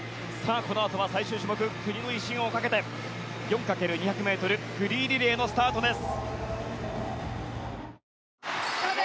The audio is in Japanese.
このあとは最終種目国の威信をかけて４×２００ｍフリーリレーのスタートです。